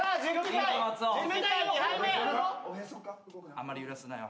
・あんまり揺らすなよ